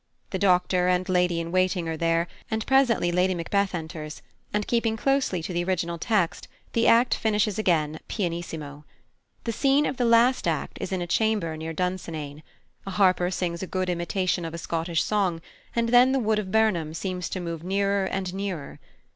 The doctor and lady in waiting are there, and presently Lady Macbeth enters, and, keeping closely to the original text, the act finishes again pianissimo. The scene of the last act is in a chamber near Dunsinane. A harper sings a good imitation of a Scottish song, and then the Wood of Birnam seems to move nearer and nearer.